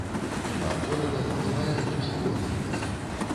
Твар горада набывае адмысловы выгляд.